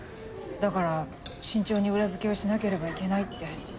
だから慎重に裏付けをしなければいけないって。